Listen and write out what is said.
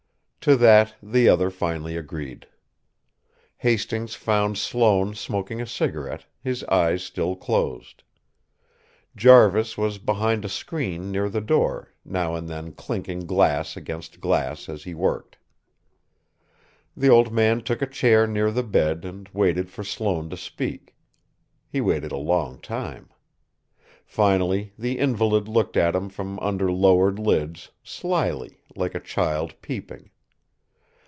To that, the other finally agreed. Hastings found Sloane smoking a cigarette, his eyes still closed. Jarvis was behind a screen near the door, now and then clinking glass against glass as he worked. The old man took a chair near the bed and waited for Sloane to speak. He waited a long time. Finally, the invalid looked at him from under lowered lids, slyly, like a child peeping.